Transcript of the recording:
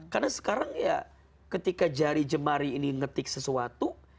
karena sekarang ya ketika jari jemari ini ngetik sesuatu